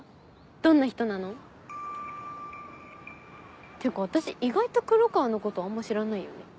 どんな人なの？っていうか私意外と黒川のことあんま知らないよね。